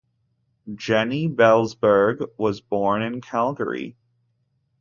Jenny Belzberg was born in Calgary.